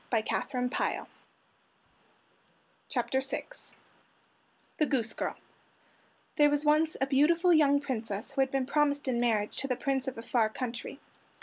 [Illustration: The Goose Girl] THE GOOSE GIRL There was once a beautiful young Princess who had been promised in marriage to the Prince of a far country.